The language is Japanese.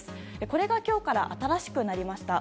これが今日から新しくなりました。